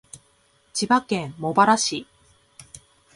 千葉県茂原市